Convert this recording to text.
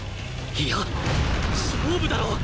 いや勝負だろ！